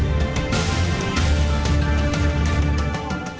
ketua yayasan lantai